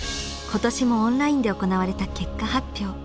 今年もオンラインで行われた結果発表。